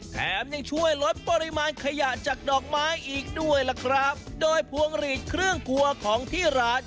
แถมยังช่วยลดปริมาณขยะจากดอกไม้อีกด้วยล่ะครับโดยพวงหลีดเครื่องครัวของที่ร้าน